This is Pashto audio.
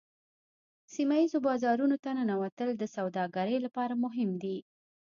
سیمه ایزو بازارونو ته ننوتل د سوداګرۍ لپاره مهم دي